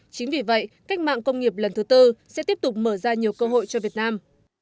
chính vì vậy cách mạng công nghiệp lần thứ tư sẽ tiếp tục mở ra nhiều cơ hội cho việt nam